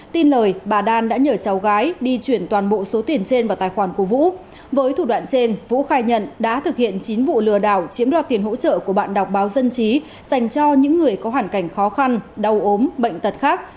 tin lời bà đan đã nhờ cháu gái đi chuyển toàn bộ số tiền trên vào tài khoản của vũ với thủ đoạn trên vũ khai nhận đã thực hiện chín vụ lừa đảo chiếm đoạt tiền hỗ trợ của bạn đọc báo dân trí dành cho những người có hoàn cảnh khó khăn đau ốm bệnh tật khác